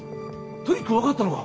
トリック分かったのか？